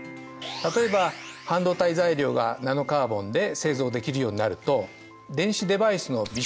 例えば半導体材料がナノカーボンで製造できるようになると電子デバイスの微小化